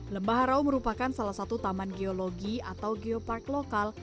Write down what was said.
lembah harau merupakan salah satu taman geologi atau geopark lokal